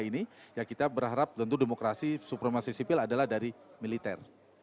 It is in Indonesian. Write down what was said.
ini ya kita berharap tentu demokrasi supremasi sipil adalah dari militer